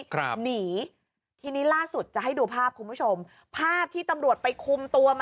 หนีที่นี่ล่าสุดจะให้ดูภาพคุณผู้ชม